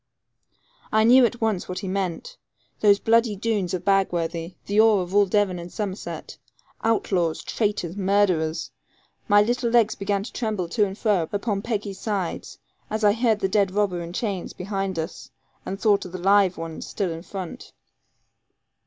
I knew at once what he meant those bloody Doones of Bagworthy, the awe of all Devon and Somerset, outlaws, traitors, murderers. My little legs began to tremble to and fro upon Peggy's sides, as I heard the dead robber in chains behind us, and thought of the live ones still in front.